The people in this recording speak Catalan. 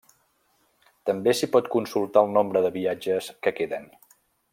També s'hi pot consultar el nombre de viatges que queden.